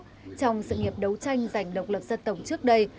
trong sự nghiệp đấu tranh giành độc lập dân tổng trước đây